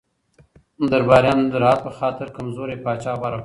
درباریانو د راحت په خاطر کمزوری پاچا غوره کړ.